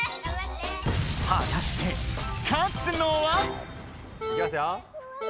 はたして勝つのは⁉いきますよ。